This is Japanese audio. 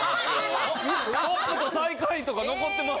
トップと最下位とか残ってます。